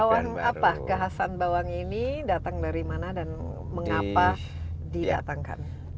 bawang apa kehasan bawang ini datang dari mana dan mengapa didatangkan